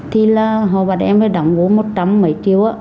thì là hồi bắt em đã đảm bố một trăm linh mấy triệu á